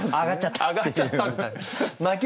「上がっちゃった！」っていう。